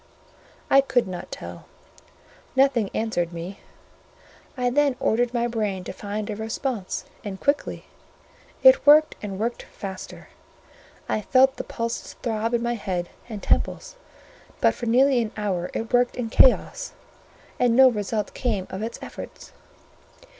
I could not tell: nothing answered me; I then ordered my brain to find a response, and quickly. It worked and worked faster: I felt the pulses throb in my head and temples; but for nearly an hour it worked in chaos; and no result came of its efforts.